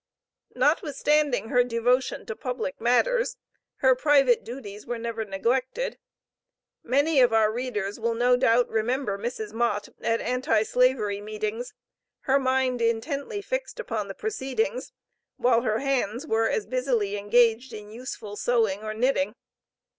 Notwithstanding her devotion to public matters her private duties were never neglected. Many of our readers will no doubt remember Mrs. Mott at Anti slavery meetings, her mind intently fixed upon the proceedings, while her hands were as busily engaged in useful sewing or knitting.